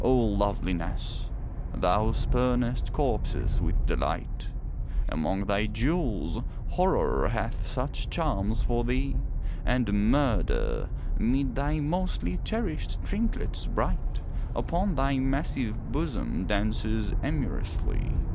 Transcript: O Loveliness! thou spurnest corpses with delight, Among thy jewels, Horror hath such charms for thee, And Murder 'mid thy mostly cherished trinklets bright, Upon thy massive bosom dances amorously.